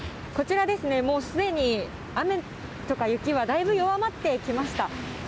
こちら、もうすでに、雨とか雪はだいぶ弱まってきました。